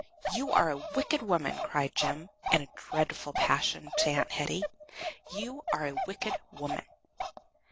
"You are a wicked woman!" cried Jem, in a dreadful passion, to Aunt Hetty. "You are a wicked woman."